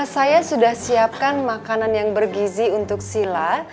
saya sudah siapkan makanan yang bergizi untuk sila